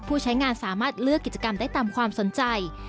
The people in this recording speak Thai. ใช้งานสามารถเลือกกิจกรรมได้ตามความสนใจ